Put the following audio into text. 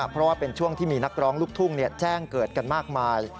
เพราะว่าเป็นช่วงที่มีนักร้องลูกทุ่งแจ้งเกิดกันมากมาย